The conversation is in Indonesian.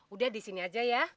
udah di sini aja ya